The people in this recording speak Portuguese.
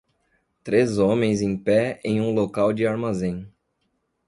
três homens em pé em um local de armazém.